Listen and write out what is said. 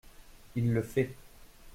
Il le fait.